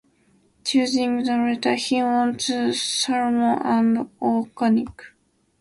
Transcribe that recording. Choosing the latter, he went to Saruman at Orthanc.